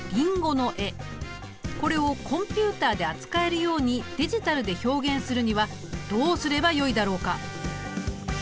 これをコンピュータで扱えるようにデジタルで表現するにはどうすればよいだろうか？